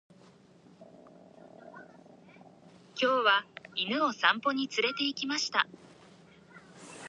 今日は犬を散歩に連れて行きました。